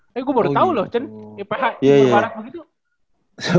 eh gue baru tau loh iph timur barat begitu